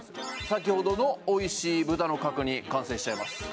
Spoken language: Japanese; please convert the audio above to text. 先ほどのおいしい豚の角煮完成しちゃいます